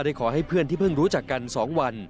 ขอให้เพื่อนที่เพิ่งรู้จักกัน๒วัน